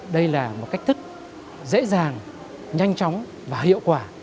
đây là một cách thức dễ dàng nhanh chóng và hiệu quả